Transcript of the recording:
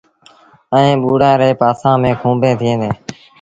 ائيٚݩ ٻوڙآن ري پاسآݩ ميݩ کونڀيٚن ٿئيٚݩ ديٚݩ۔